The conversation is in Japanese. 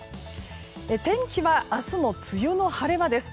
天気は明日も梅雨の晴れ間です。